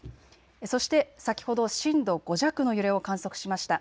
そして先ほど震度５弱の揺れを観測しました。